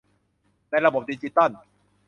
ในระบบดิจิทัล